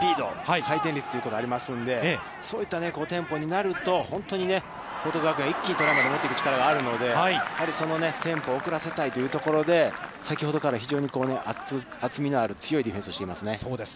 回転率ということがありますので、そういったテンポになると、本当に報徳学園、一気にトライまで持っていく力があるので、そのテンポをおくらせたいというところで先ほどから非常に厚みのある強いディフェンスをしていますね。